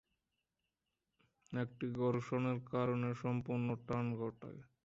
এটি ঘর্ষণের কারণে সম্পূর্ণ টান ঘটায়।